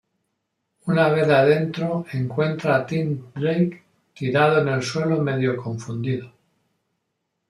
Una vez adentro encuentra a Tim Drake tirado en el suelo, medio confundido.